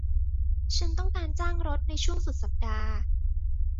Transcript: ฉันต้องการจ้างรถในช่วงสุดสัปดาห์